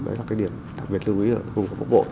đó là cái điểm đặc biệt lưu ý